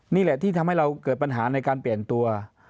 นี่แหละที่ทำให้เราเกิดปัญหาในการเปลี่ยนตัว